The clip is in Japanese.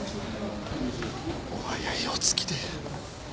お早いお着きで。